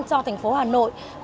cho thành phố hà nội